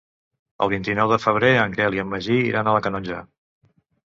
El vint-i-nou de febrer en Quel i en Magí iran a la Canonja.